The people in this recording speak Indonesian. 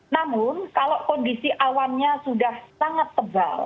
namun kalau kondisi awannya sudah sangat tebal